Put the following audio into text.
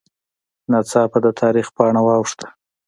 ناڅاپه د تاریخ پاڼه واوښته